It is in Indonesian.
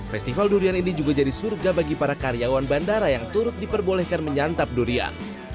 festival durian ini juga jadi surga bagi para karyawan bandara yang turut diperbolehkan menyantap durian